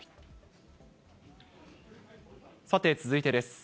さて続いてです。